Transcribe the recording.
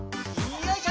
よいしょ。